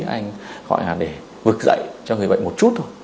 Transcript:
anh gọi là để vực dậy cho người bệnh một chút thôi